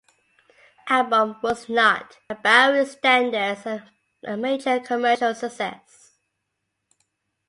The album was not, by Bowie's standards, a major commercial success.